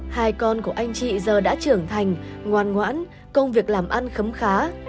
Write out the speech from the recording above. hai con của anh chị giờ đã trưởng thành ngoan ngoãn công việc làm ăn khấm khá